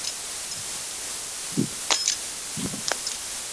锯齿螈捍卫了自己的领地。